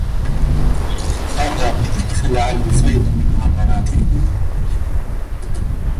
قفا فلعل الفيض من عبراته